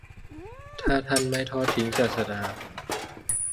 ถ้าท่านไม่ทอดทิ้งศาสดา